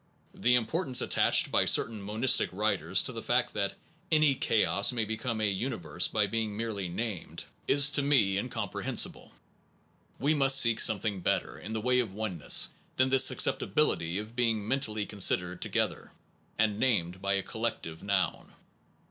The im portance attached by certain monistic writers to the fact that any chaos may become a uni verse by being merely named, is to me incom 125 SOME PROBLEMS OF PHILOSOPHY prehensible. We must seek something better in the way of oneness than this susceptibility of being mentally considered together, and named by a collective noun.